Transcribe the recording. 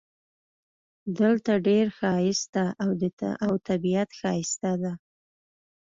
دلته ډېر ښایست ده او طبیعت ښایسته ده